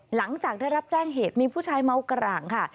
หลังจากได้รับแจ้งเหตุมีผู้ชายเมากร่างค่ะ